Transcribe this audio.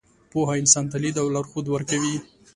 پوهه انسان ته لید او لارښود ورکوي.